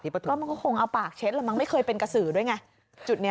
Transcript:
ก็คงเอาปากเช็ดเหรอมันไม่เคยเป็นกระสือด้วยอย่างงี้